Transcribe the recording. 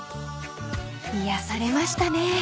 ［癒やされましたね］